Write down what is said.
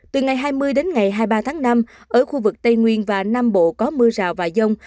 từ ngày hai mươi đến ngày hai mươi ba tháng năm ở khu vực tây nguyên và nam bộ có mưa rào và dông